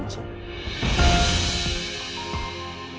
tidak ada yang bisa diberikan